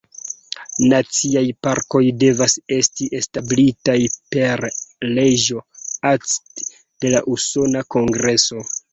Naciaj parkoj devas esti establitaj per leĝo "act" de la Usona Kongreso.